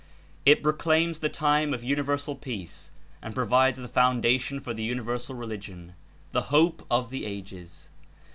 It proclaims the time of Universal Peace and provides the founda tion for the Universal Religion — the hope of the ages.